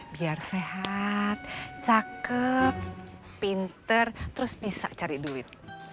biar sehat cakep pinter terus bisa cari duit